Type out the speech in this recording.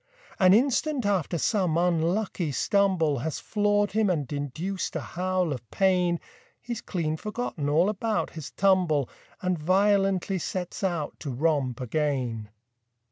An instant after some unlucky stumble Has floored him and induced a howl of pain, He's clean forgotten all about his tumble And violently sets out to romp again.